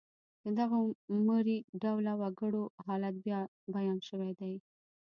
د دغو مري ډوله وګړو حالت بیان شوی دی.